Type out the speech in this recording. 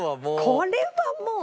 これはもう。